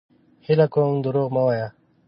هيله کوم دروغ مه وايه!